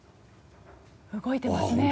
動いてますね。